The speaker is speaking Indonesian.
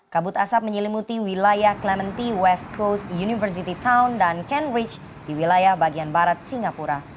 kabut asap menyelimuti wilayah climate west coast university town dan cambridge di wilayah bagian barat singapura